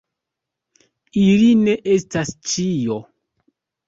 Ili ne estas ĉio.